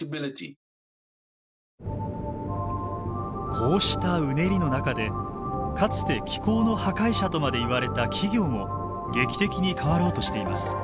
こうしたうねりの中でかつて気候の破壊者とまで言われた企業も劇的に変わろうとしています。